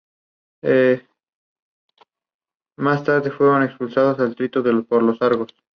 Sólo esto puede revelar la verdadera naturaleza del fenómeno ovni.